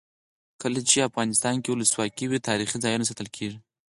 کله چې افغانستان کې ولسواکي وي تاریخي ځایونه ساتل کیږي.